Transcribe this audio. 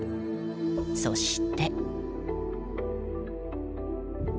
そして。